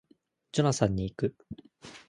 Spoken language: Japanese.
ジョナサンに行く